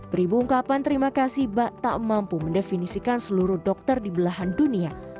beribu ungkapan terima kasih bak tak mampu mendefinisikan seluruh dokter di belahan dunia